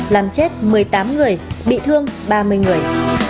làm chết một mươi tám người bị thương ba mươi người